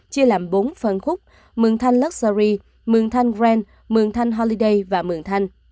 chia làm bốn phân khúc mường thanh luxury mường thanh green mường thanh holiday và mường thanh